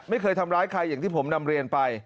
ไม่เคยทำร้ายใครอย่างที่ผมนำเรียนไป